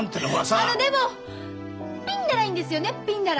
あのでもピンならいいんですよねピンなら。